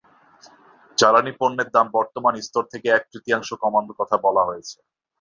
জ্বালানি পণ্যের দাম বর্তমান স্তর থেকে এক-তৃতীয়াংশ কমানোর কথা বলা হয়েছে।